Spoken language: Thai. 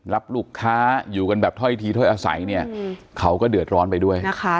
รับลูกค้าอยู่กันแบบถ้อยทีถ้อยอาศัยเนี่ยเขาก็เดือดร้อนไปด้วยนะคะ